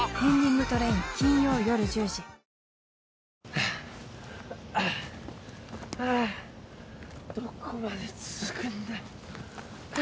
はあああはあどこまで続くんだは